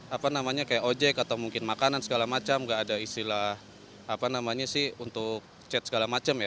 apa namanya kayak ojek atau mungkin makanan segala macam gak ada istilah apa namanya sih untuk chat segala macam ya